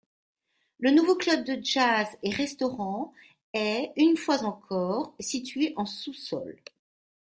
Le nouveau club de jazz et restaurant est une fois encore situé en sous-sol.